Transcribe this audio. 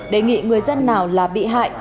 đề nghị người dân nào là bị hại